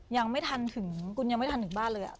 ยังไม่ทันถึงคุณยังไม่ทันถึงบ้านเลย